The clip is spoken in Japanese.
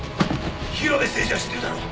広辺誠児は知ってるだろ？